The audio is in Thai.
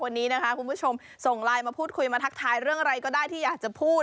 วันนี้นะคะคุณผู้ชมส่งไลน์มาพูดคุยมาทักทายเรื่องอะไรก็ได้ที่อยากจะพูด